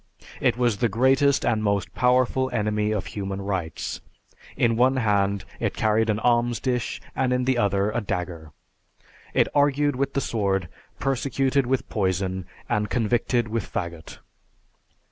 It was the greatest and most powerful enemy of human rights. In one hand, it carried an alms dish, and in the other, a dagger. It argued with the sword, persecuted with poison, and convicted with faggot."